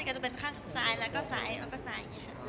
ก็ลองเต้นตันได้ง่าย